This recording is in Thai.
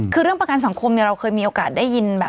คือเรื่องประกันสังคมเราเคยมีโอกาสได้ยิน